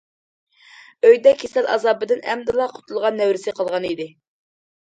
ئۆيدە كېسەل ئازابىدىن ئەمدىلا قۇتۇلغان نەۋرىسى قالغانىدى.